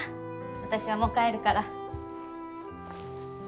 私はもう帰るから。